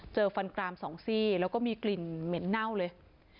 เจอฟันกราม๒ซี่แล้วก็มีกลิ่นเหม็นเน่าเลย